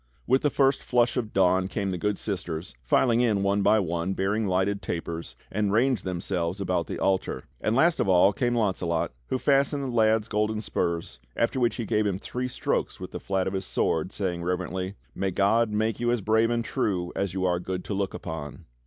With the first flush of dawn came the good sisters, filing in one by one, bearing lighted tapers, and ranged themselves about the altar. And last of all came Launcelot, who fastened the lad's golden spurs, after which he gave him three strokes with the flat of his sword, saying reverently: "May God make you as brave and true as you are good to look upon."